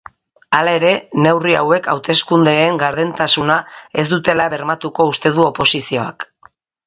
Hala ere, neurri hauek hauteskundeen gardentasuna ez dutela bermatuko uste du oposizioak.